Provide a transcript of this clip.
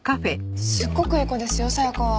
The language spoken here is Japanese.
すごくいい子ですよさやかは。